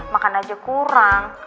makan aja kurang